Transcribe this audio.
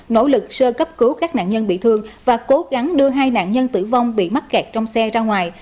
nỗ lực sơ cấp cứu các nạn nhân bị thương và cố gắng đưa hai nạn nhân tử vong bị mắc kẹt trong xe ra ngoài